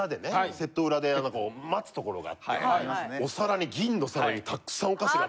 セット裏で待つ所があってお皿に銀の皿にたくさんお菓子が。